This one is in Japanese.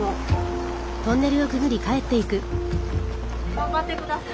頑張ってください。